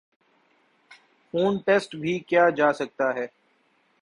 خون ٹیسٹ بھی کیا جاسکتا ہے